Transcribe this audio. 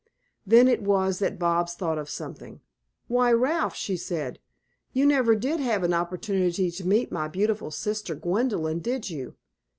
Then it was that Bobs thought of something. "Why, Ralph," she said, "you never did have an opportunity to meet my beautiful sister, Gwendolyn, did you?